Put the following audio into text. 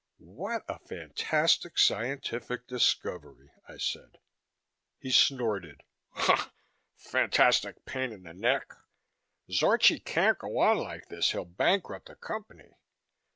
"What a fantastic scientific discovery!" I said. He snorted. "Fantastic pain in the neck! Zorchi can't go on like this; he'll bankrupt the Company.